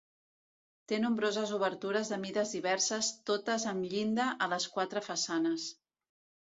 Té nombroses obertures de mides diverses, totes amb llinda, a les quatre façanes.